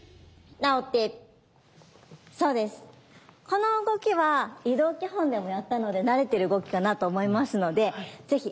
この動きは移動基本でもやったので慣れてる動きかなと思いますので是非